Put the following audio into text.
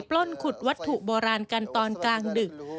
ปล้นขุดวัตถุโบราณกันตอนกลางดึก